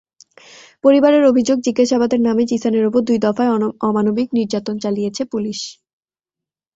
পরিবারের অভিযোগ, জিজ্ঞাসাবাদের নামে জিসানের ওপর দুই দফায় অমানবিক নির্যাতন চালিয়েছে পুলিশ।